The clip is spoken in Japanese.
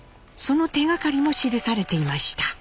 その手がかりも記されていました。